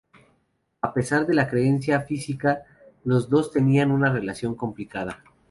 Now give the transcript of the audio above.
A pesar de la cercanía física, los dos tenían una relación complicada.